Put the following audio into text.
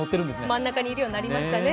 真ん中にいるようになりましたね。